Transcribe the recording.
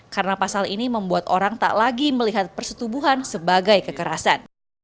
karena pasal ini membuat orang tak lagi melihat persetubuhan sebagai kekerasan